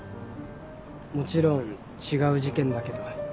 もちろん違う事件だけど。